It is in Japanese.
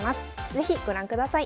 是非ご覧ください。